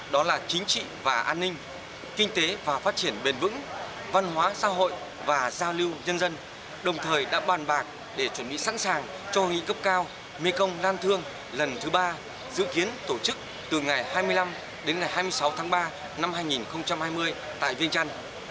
đó là chính trị và an ninh kinh tế và phát triển bền vững văn hóa xã hội và giao lưu nhân dân đồng thời đã bàn bạc để chuẩn bị sẵn sàng cho nghị cấp cao mekong lan thương lần thứ ba dự kiến tổ chức từ ngày hai mươi năm đến ngày hai mươi sáu tháng ba năm hai nghìn hai mươi tại vinh trân